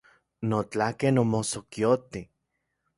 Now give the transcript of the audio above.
Notlaken omosokioti.